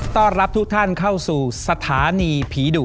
ต้อนรับทุกท่านเข้าสู่สถานีผีดุ